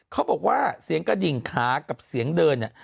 เขาบอกว่าเสียงกระดิ่งขากับเสียงเดินเนี่ย